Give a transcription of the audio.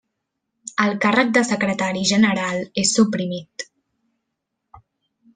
El càrrec de secretari general és suprimit.